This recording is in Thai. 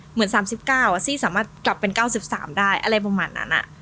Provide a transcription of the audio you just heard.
เหมือน๓๙ซี่สามารถกลับเป็น๙๓ได้อะไรประมาณนั้น